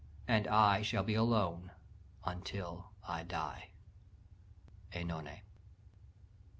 And I shall be alone until I die." _OEnone.